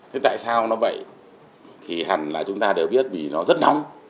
thế tại sao nó vậy thì hẳn là chúng ta đều biết vì nó rất nóng